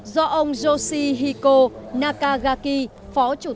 do ông yoshihiko nakagaki phó chủ tướng